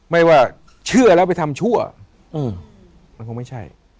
ไม่ว่าเชื่อแล้วไปทำชั่วมันคงไม่ใช่